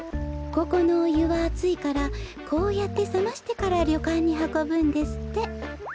ここのおゆはあついからこうやってさましてからりょかんにはこぶんですって。